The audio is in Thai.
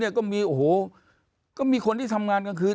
แล้วกลางคืนก็มีคนที่ทำงานกลางคืน